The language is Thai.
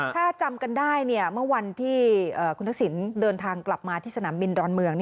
ถ้าจำกันได้เมื่อวันที่คุณทักษิณเดินทางกลับมาที่สนามบินดอนเมือง